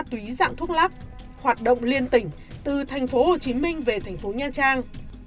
tuy dạng thuốc lắc hoạt động liên tỉnh từ thành phố hồ chí minh về thành phố nha trang